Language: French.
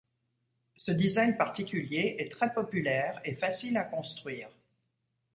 Ce design particulier est très populaire et facile à construire.